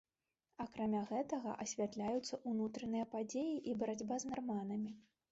Акрамя гэтага асвятляюцца ўнутраныя падзеі і барацьба з нарманамі.